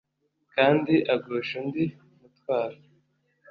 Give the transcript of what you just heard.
kandi agusha undi mutwaro